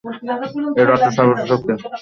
এর অর্থ "সর্বোচ্চ শক্তি" যা হল "শ্রেষ্ঠ শক্তি"।